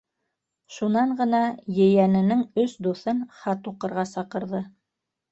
Шунан ғына ейәненең өс дуҫын хат уҡырға саҡырҙы.